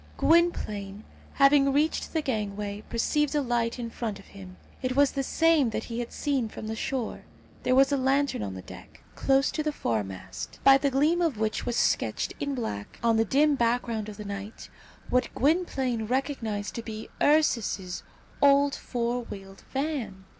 Gwynplaine, having reached the gangway, perceived a light in front of him. It was the same that he had seen from the shore. There was a lantern on the deck, close to the foremast, by the gleam of which was sketched in black, on the dim background of the night, what Gwynplaine recognized to be Ursus's old four wheeled van.